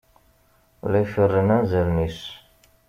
La iferren anzaren-is.